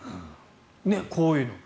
こういうの。